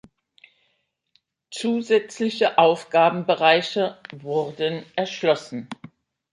Zusätzliche Aufgabenbereiche wurden erschlossen.